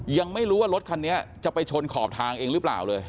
ยังไม่รู้ว่ารถคันนี้จะไปชนขอบทางเองหรือเปล่าเลย